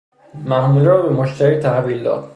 محموله را به مشتری تحویل داد